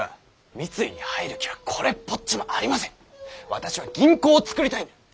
私は銀行を作りたいんだ！